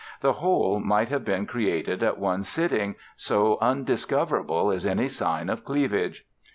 The whole might have been created at one sitting, so undiscoverable is any sign of cleavage.